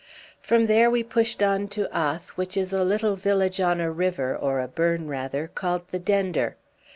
From there we pushed on to Ath, which is a little village on a river, or a burn rather, called the Dender.